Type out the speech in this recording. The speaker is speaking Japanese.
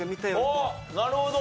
なるほど。